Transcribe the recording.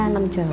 ba năm trời